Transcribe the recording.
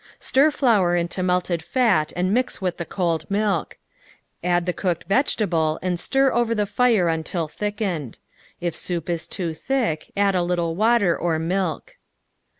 Stir flour into melted fat and mix with the cold milk. Add the cooked vegetable and stir over the fire until thickened. If soup is too thick, add a little water or mjlk.